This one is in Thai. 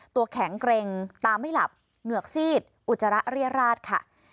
ตัวแข็งเกร็งตาไม่หลับเหงือกซีดอุจจาระเรียราชค่ะ